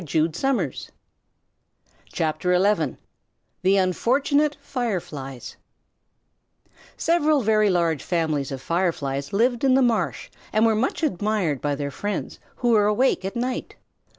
THE UNFORTUNATE FIREFLIES Several very large families of Fireflies lived in the marsh and were much admired by their friends who were awake at night.